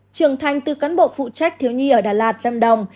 trường thanh từ cán bộ phụ trách thiếu nhi ở đà lạt giam đồng